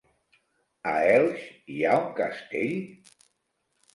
A Elx hi ha un castell?